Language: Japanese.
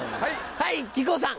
はい木久扇さん。